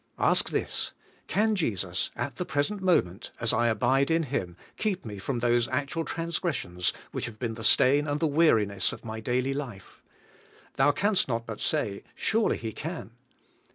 Ask this: Can Jesus at the present moment, as I abide in Him, keep me from those actual transgres sions which have been the stain and the weariness of my daily life? Thou canst not but say, Surely He can.